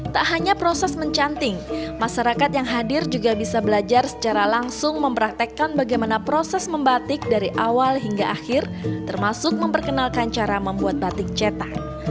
tak hanya proses mencanting masyarakat yang hadir juga bisa belajar secara langsung mempraktekkan bagaimana proses membatik dari awal hingga akhir termasuk memperkenalkan cara membuat batik cetak